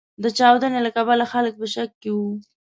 د چاودنې له کبله خلګ په شک کې و.